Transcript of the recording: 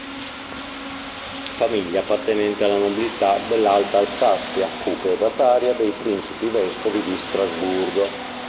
Famiglia appartenente alla nobiltà dell'Alta Alsazia, fu feudataria dei principi-vescovi di Strasburgo.